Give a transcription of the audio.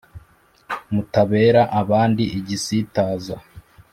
mutabera abandi igisitaza